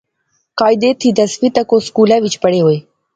قاعدے تھی دسویں تک او سکولے وچ پڑھںے ہوئے